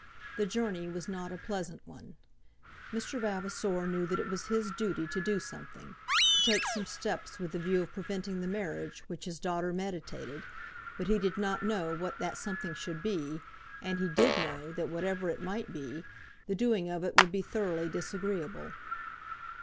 The journey was not a pleasant one. Mr. Vavasor knew that it was his duty to do something, to take some steps with the view of preventing the marriage which his daughter meditated; but he did not know what that something should be, and he did know that, whatever it might be, the doing of it would be thoroughly disagreeable.